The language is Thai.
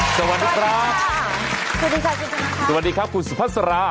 สวัสดีครับสวัสดีค่ะคุณชนะสวัสดีครับคุณสุภาษา